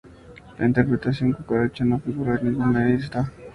La interpretación "La Cucaracha" no figura en ninguna lista.